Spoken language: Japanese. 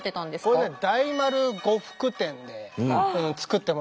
これね大丸呉服店で作ってもらった。